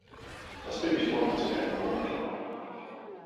Das Babyphon hat sogar einen Monitor.